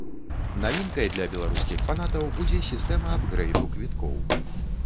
Навінкай для беларускіх фанатаў будзе сістэма апгрэйду квіткоў.